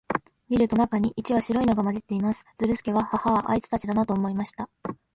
見ると、中に一羽白いのが混じっています。ズルスケは、ハハア、あいつたちだな、と思いました。